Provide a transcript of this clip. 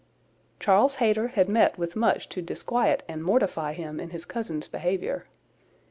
Charles Hayter had met with much to disquiet and mortify him in his cousin's behaviour.